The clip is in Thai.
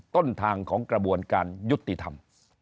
ต้นทางของกระบวนการยุติธรรม